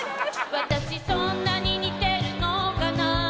「私そんなに似てるのかな」